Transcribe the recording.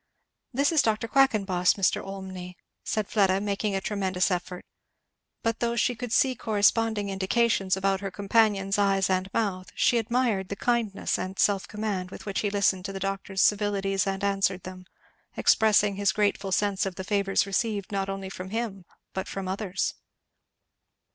"This is Dr. Quackenboss, Mr. Olmney," said Fleda, making a tremendous effort. But though she could see corresponding indications about her companion's eyes and mouth, she admired the kindness and self command with which he listened to the doctor's civilities and answered them; expressing his grateful sense of the favours received not only from him but from others.